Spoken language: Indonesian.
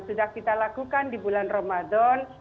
sudah kita lakukan di bulan ramadan